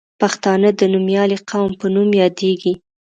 پښتانه د نومیالي قوم په نوم یادیږي.